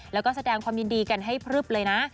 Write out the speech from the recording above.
แล้วก็แสดงความยินดีกันให้พลึบเลยนะ